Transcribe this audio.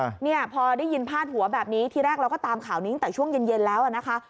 เนี่ยพอได้ยินพาดหัวแบบนี้ทีแรกเราก็ตามข่าวนี้ตั้งแต่ช่วงเย็นเย็นแล้วอ่ะนะคะ